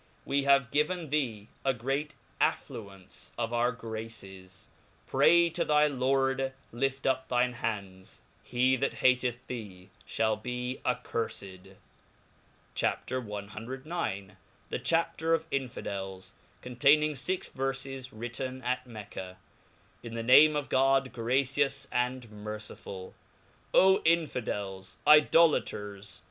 We have gi ivtn thee a great affluence of our graces. Pray to thy Lord, Wt up thine hands j he that hateth thee, (hall beaccurfed. CHAP. CIX. The Chapter of Infidels , contMnm,^ fix Verfes , Written m TN the name of God, gracious and merciful. Oh Infidels , Xidolaters